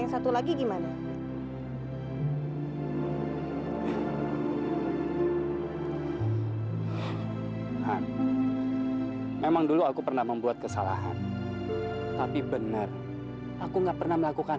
satu lagi gimana memang dulu aku pernah membuat kesalahan tapi benar aku enggak pernah melakukan